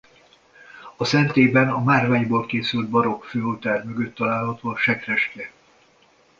A szentélyben a márványból készült barokk főoltár mögött található a sekrestye.